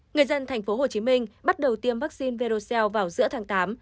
người dân tp hcm bắt đầu tiêm vaccine verocel vào giữa tháng tám